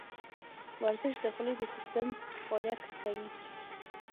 ورزش د خولې د سیستم فعالیت ښه کوي.